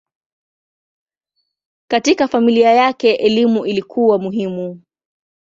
Katika familia yake elimu ilikuwa muhimu.